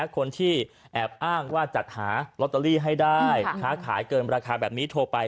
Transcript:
คนที่แอบอ้างว่าจัดหาลอตเตอรี่ให้ได้ค้าขายเกินราคาแบบนี้โทรไป